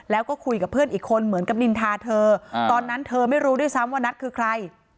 แล้วก็คุยกับเพื่อนอีกคนเหมือนกับนินทาเธอตอนนั้นเธอไม่รู้ด้วยซ้ำว่านัทคือใคร